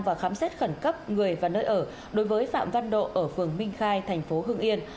và khám xét khẩn cấp người và nơi ở đối với phạm văn độ ở phường minh khai thành phố hưng yên